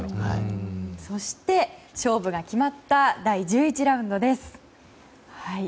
そして、勝負が決まった第１１ラウンドです。